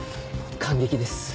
感激です。